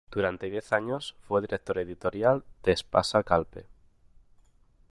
Durante diez años fue director editorial de Espasa Calpe.